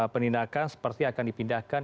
penindakan seperti akan dipindahkan